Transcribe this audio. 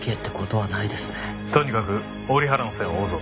とにかく折原の線を追うぞ。